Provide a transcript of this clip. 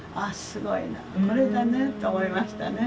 すごいなこれだねと思いましたね。